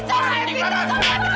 semua yang kita minta sama mama